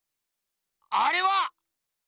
あれは！